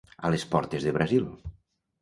A les portes de Brasil.